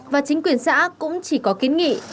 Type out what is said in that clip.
và chính quyền xã cũng chỉ có kiến nghị